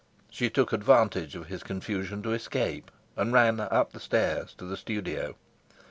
She took advantage of his confusion to escape, and ran up the stairs to the studio.